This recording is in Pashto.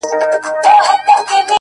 شــاعــر دمـيـني ومه درد تــه راغــلـم.